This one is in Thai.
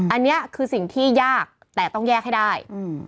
อันนี้คือสิ่งที่ยากแต่ต้องแยกให้ได้